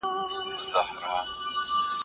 o څه چي کرې هغه به رېبې.